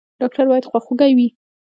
ډاکټر باید خواخوږی وي